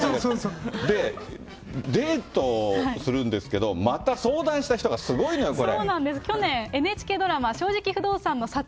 で、デートするんですけど、また相談した人がすごいのよ、これ。